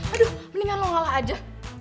aduh mendingan lo ngalah aja